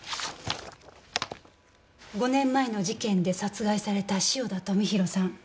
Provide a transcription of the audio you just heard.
５年前の事件で殺害された汐田富弘さん。